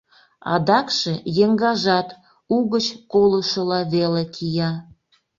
Адакше, еҥгажат угыч колышыла веле кия.